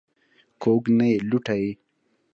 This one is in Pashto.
کوږ نه یې لوټه یې.